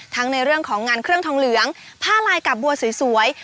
ในเรื่องของงานเครื่องทองเหลืองผ้าลายกับบัวสวย